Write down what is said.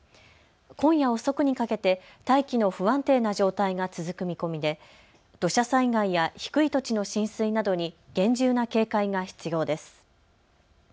今夜遅くにかけて大気の不安定な状態が続く見込みで土砂災害や低い土地の浸水などに厳重な警戒が必要です。